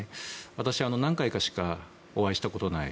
私は何回かしかお会いしたことがない。